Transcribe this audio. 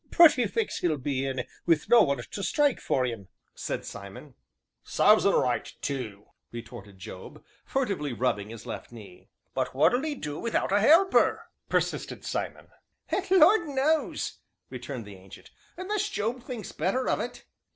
Pretty fix 'e'll be in wi' no one to strike for 'im!" said Simon. "Sarves un right tu!" retorted Job, furtively rubbing his left knee. "But what'll 'e do wi'out a 'elper?" persisted Simon. "Lord knows!" returned the Ancient; "unless Job thinks better of it."